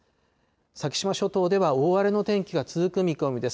先島諸島では大荒れの天気が続く見込みです。